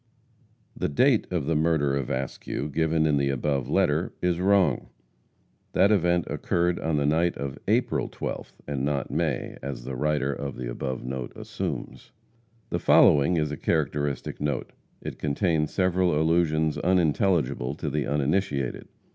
The date of the murder of Askew, given in the above letter, is wrong. That event occurred on the night of April 12th, and not May, as the writer of the above note assumes. The following is a characteristic note. It contains several allusions unintelligible to the uninitiated.